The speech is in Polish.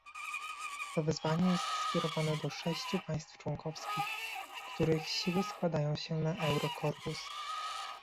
To wezwanie jest skierowane do sześciu państw członkowskich, których siły składają się na Eurokorpus